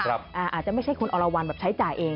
อาจจะไม่ใช่คุณอรวรรณแบบใช้จ่ายเอง